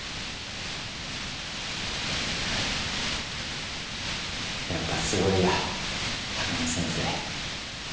フッやっぱすごいや鷹野先生。